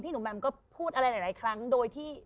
พี่หนูแมมก็พูดอะไรหลายครั้งโดยที่